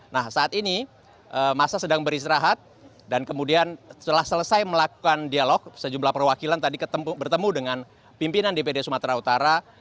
nah saat ini masa sedang beristirahat dan kemudian setelah selesai melakukan dialog sejumlah perwakilan tadi bertemu dengan pimpinan dpd sumatera utara